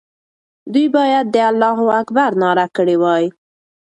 دوی باید د الله اکبر ناره کړې وای.